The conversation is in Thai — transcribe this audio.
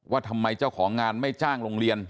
ว่าทำไมเจ้าของงานไม่จ้างโรงเรียน